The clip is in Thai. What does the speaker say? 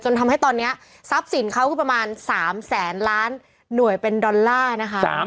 ทำให้ตอนนี้ทรัพย์สินเขาคือประมาณ๓แสนล้านหน่วยเป็นดอลลาร์นะคะ